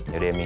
yaudah ya mi